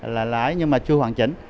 là lãi nhưng mà chưa hoàn chỉnh